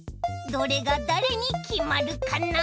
どれがだれにきまるかな？